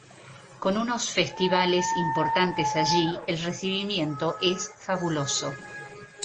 Con unos festivales importantes allí, el recibimiento es fabuloso.